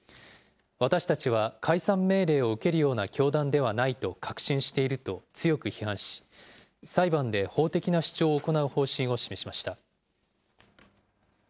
私たちは解散命令を受けるような教団ではないと確信していると強く批判し、裁判で法的な主張を行う方針を示しました。